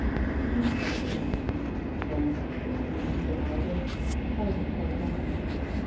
The inspector nodded. Then, for some reason or other, a silence fell upon them.